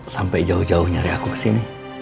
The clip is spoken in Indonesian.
sampai jauh jauh nyari aku kesini